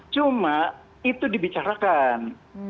cuma itu dibicarakan